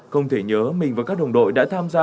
không thể nhớ mình và các đồng đội đã tham gia